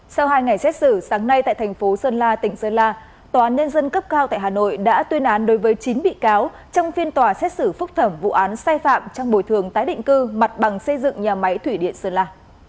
sau hai ngày xét xử sáng nay tại thành phố sơn la tỉnh sơn la tòa án nhân dân cấp cao tại hà nội đã tuyên án đối với chín bị cáo trong phiên tòa xét xử phúc thẩm vụ án sai phạm trong bồi thường tái định cư mặt bằng xây dựng nhà máy thủy điện sơn la